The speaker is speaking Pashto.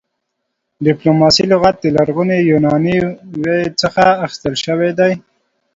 ډيپلوماسۍ لغت د لرغوني يوناني ویي څخه اخيستل شوی دی